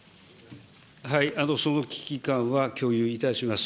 その危機感は、共有いたします。